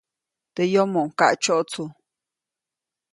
Teʼ yomoʼuŋ kaʼtsyotsu.